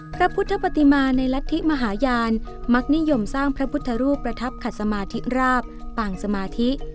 พระพุทธปฏิมาในรัฐธิมหาญาณมักนิยมสร้างพระพุทธรูปประทับขัดสมาธิราบปางสมาธิ